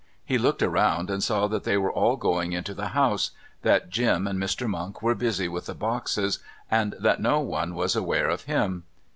He looked around and saw that they were all going into the house, that Jim and Mr. Monk were busy with the boxes, and that no one was aware of him.